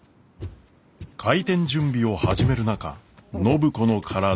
開店準備を始める中暢子の体に異変が。